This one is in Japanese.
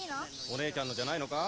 お姉ちゃんのじゃないのか？